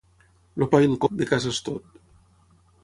El pa i el coc, de casa és tot.